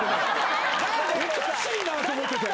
おかしいなと思ってて。